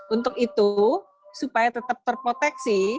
untuk itu supaya tetap terproteksi